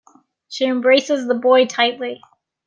She embraces the boy tightly.